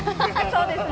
そうですね。